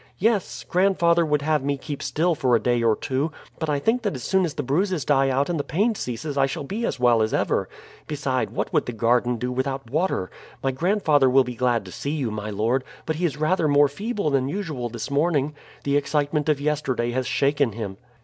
"Yes. Grandfather would have me keep still for a day or two; but I think that as soon as the bruises die out and the pain ceases I shall be as well as ever. Beside, what would the garden do without water? My grandfather will be glad to see you, my lord; but he is rather more feeble than usual this morning. The excitement of yesterday has shaken him."